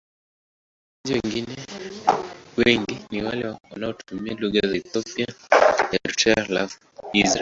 Wasemaji wengine wengi ni wale wanaotumia lugha za Ethiopia na Eritrea halafu Israel.